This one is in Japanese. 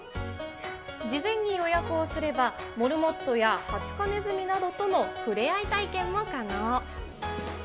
事前に予約をすれば、モルモットやハツカネズミなどとのふれあい体験も可能。